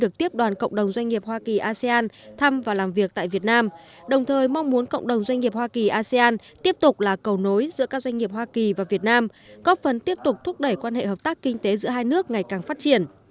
các doanh nghiệp hoa kỳ và việt nam có phần tiếp tục thúc đẩy quan hệ hợp tác kinh tế giữa hai nước ngày càng phát triển